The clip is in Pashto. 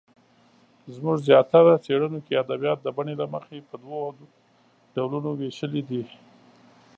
زموږ زیاتره څېړنو کې ادبیات د بڼې له مخې په دوو ډولونو وېشلې دي.